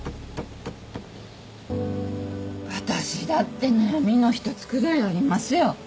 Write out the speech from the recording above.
私だって悩みの一つくらいありますよ。